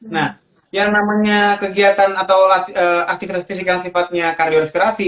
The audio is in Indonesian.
nah yang namanya kegiatan atau aktivitas fisik yang sifatnya kardio inspirasi